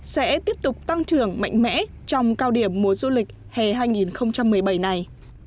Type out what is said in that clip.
sẽ tiếp tục tăng trưởng mạnh mẽ trong cao điểm mùa du lịch hè hai nghìn một mươi bảy này